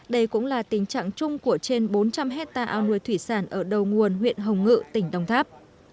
đây cũng là tình trạng chung của trên bốn trăm linh hectare ao nuôi thủy sản ở đầu nguồn huyện hồng ngự tỉnh đông tháp